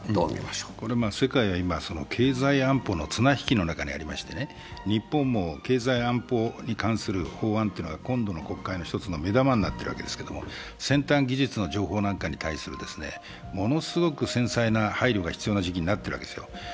世界が今、経済安保の綱引きの中にありまして、日本も経済安保に関する法案というのが今度の国会の１つの目玉になってるわけですけど先端技術の情報なんかに対するものすごく繊細な配慮が必要な時代になってるんですよ。